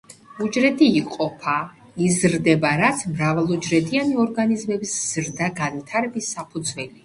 უჯრედი იყოფა, იზრდება რაც მრავალუჯრედიანი ორგანიზმების ზრდა-განვითარების საფუძველია.